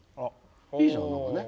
いいじゃん何かね。